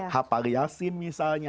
hafal yasin misalnya